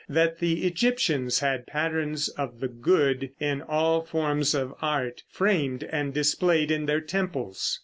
38) that the Egyptians had patterns of the good in all forms of art, framed and displayed in their temples.